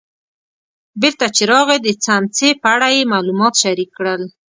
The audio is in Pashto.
بېرته چې راغی د څمڅې په اړه یې معلومات شریک کړل.